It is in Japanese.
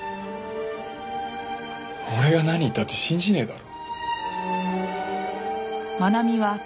俺が何言ったって信じねえだろ？